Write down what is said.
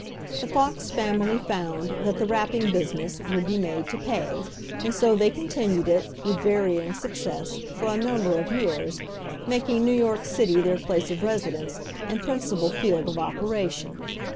The Fox family found that the rapping business would be made to pay; and so they continued it, with varying success, for a number of years, making New York city their place of residence and principal field of operation.